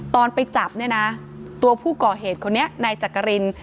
ตอนไปจับเนี่ยนะตัวผู้ก่อเหตุคนนี้นายจักริน